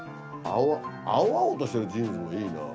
青々としてるジーンズもいいなぁ。